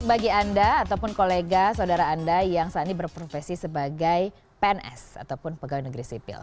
bagi anda ataupun kolega saudara anda yang saat ini berprofesi sebagai pns ataupun pegawai negeri sipil